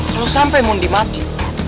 terus sampe mondi mati